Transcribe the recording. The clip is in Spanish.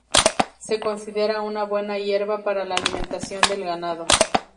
Se considera una buena hierba para la alimentación del ganado.